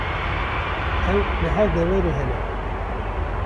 Ew li her deverê hene.